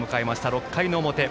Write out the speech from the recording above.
６回の表。